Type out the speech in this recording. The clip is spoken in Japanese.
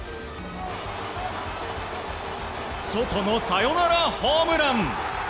ソトのサヨナラホームラン！